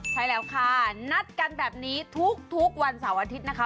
ใช่แล้วค่ะนัดกันแบบนี้ทุกวันเสาร์อาทิตย์นะคะ